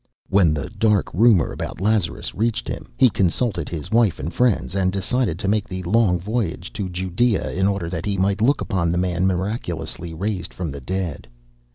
When the dark rumour about Lazarus reached him, he consulted his wife and friends and decided to make the long voyage to Judea, in order that he might look upon the man miraculously raised from the dead.